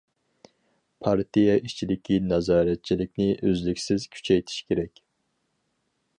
پارتىيە ئىچىدىكى نازارەتچىلىكنى ئۈزلۈكسىز كۈچەيتىش كېرەك.